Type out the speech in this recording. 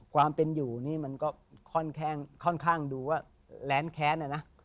ความเป็นอยู่นี่มันก็ค่อนข้างดูว่าแร้นแค้นอะนะ